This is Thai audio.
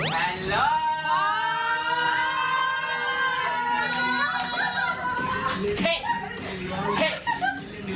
ฮัลโหล